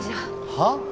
はっ？